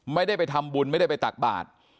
ไม่ได้ไปทำบุญไม่ได้ไปตักบาท